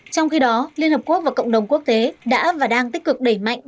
trong khi đó liên hợp quốc và cộng đồng quốc tế đã và đang tích cực đẩy mạnh